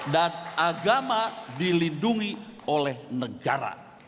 dan agama dilindungi oleh negara